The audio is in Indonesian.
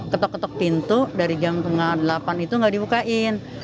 ketok ketok pintu dari jam delapan belas tiga puluh itu nggak dibukain